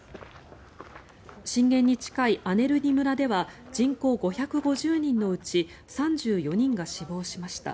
震源に近いアネルニ村では人口５５０人のうち３４人が死亡しました。